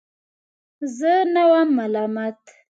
زه نه وم ملامت.